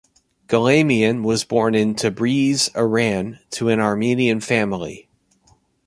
Galamian was born in Tabriz, Iran to an Armenian family.